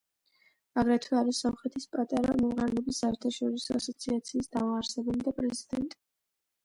აგრეთვე არის სომხეთის პატარა მომღერლების საერთაშორისო ასოციაციის დამაარსებელი და პრეზიდენტი.